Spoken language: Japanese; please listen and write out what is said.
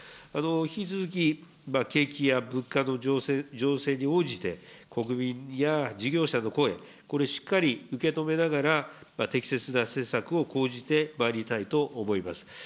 引き続き、景気や物価の情勢に応じて、国民や事業者の声、これしっかり受け止めながら、適切な政策を講じてまいりたいと思います。